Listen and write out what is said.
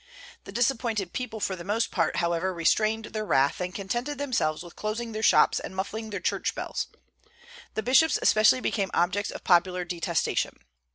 The disappointed people for the most part, however, restrained their wrath, and contented themselves with closing their shops and muffling their church bells. The bishops especially became objects of popular detestation.